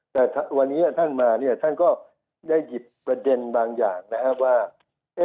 แต่วันนี้ท่านมาเนี่ยท่านก็ได้หยิบประเด็นบางอย่างนะครับว่า